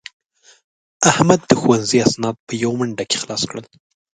احمد د ښوونځي اسناد په یوه منډه کې خلاص کړل.